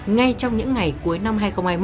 ngay trong những ngày cuối năm hai nghìn hai mươi